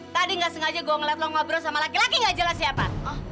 tadi nggak sengaja gue ngelihat long ngobrol sama laki laki nggak jelas siapa